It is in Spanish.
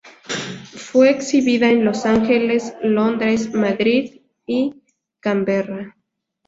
Fue exhibida en Los Ángeles, Londres, Madrid y Canberra.